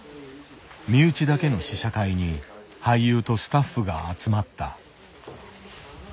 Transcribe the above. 身内だけの試写会に俳優とスタッフが集まった。